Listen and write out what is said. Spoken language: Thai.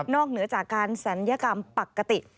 นอกเหนือจากการสัญญากรรมปกติ